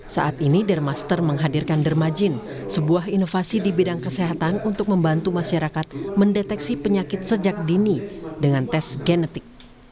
saat ini dermaster menghadirkan dermajine sebuah inovasi di bidang kesehatan untuk membantu masyarakat mendeteksi penyakit sejak dini dengan tes genetik